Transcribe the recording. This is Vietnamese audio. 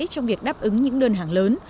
trong việc đáp ứng những đơn hàng lớn